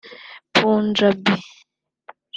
Punjabi